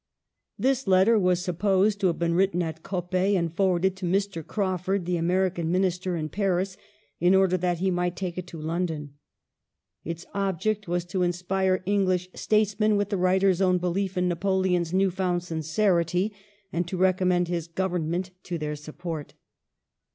This letter was supposed to have been written at Cop pet and forwarded to Mr. Crawford, the Ameri can Minister in Paris, in order that he might take it to London. Its object was to inspire English statesmen with the writer's own belief in Napo leon's new found sincerity, and to recommend his government to their support.